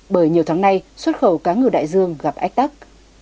bởi nhiều tháng nay xuất khẩu cá ngừ đại dương gặp ách tắc